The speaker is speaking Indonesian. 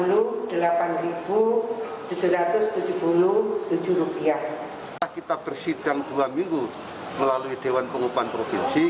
kita bersidang dua minggu melalui dewan pengupahan provinsi